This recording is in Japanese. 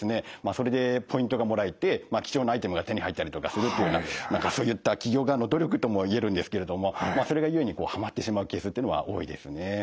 それでポイントがもらえて貴重なアイテムが手に入ったりとかするっていうような何かそういった企業側の努力ともいえるんですけれどもそれが故にはまってしまうケースってのは多いですね。